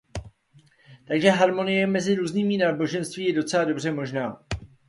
Takže harmonie mezi různými náboženstvími je docela dobře možná.